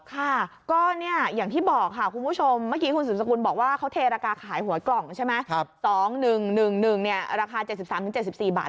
ค่ะก็เนี่ยอย่างที่บอกค่ะคุณผู้ชมเมื่อกี้คุณสุดสกุลบอกว่าเขาเทรากาขายหวยกล่องใช่ไหมครับสองหนึ่งหนึ่งหนึ่งเนี่ยราคาเจ็ดสิบสามถึงเจ็ดสิบสี่บาท